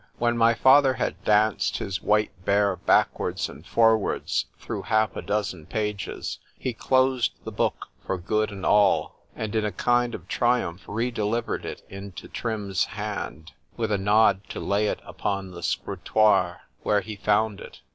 XLV WHEN my father had danced his white bear backwards and forwards through half a dozen pages, he closed the book for good an' all,—and in a kind of triumph redelivered it into Trim's hand, with a nod to lay it upon the 'scrutoire, where he found it.